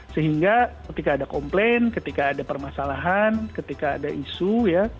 sehingga ketika ada komplain ketika ada permasalahan ketika ada isu ya